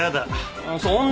そんなぁ。